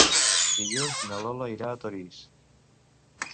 Dilluns na Lola irà a Torís.